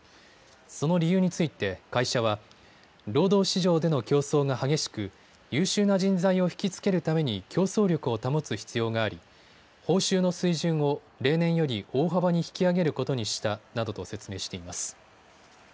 その理由について会社は労働市場での競争が激しく優秀な人材を引き付けるために競争力を保つ必要があり報酬の水準を例年より大幅に引き上げることにしたなどと説明しています。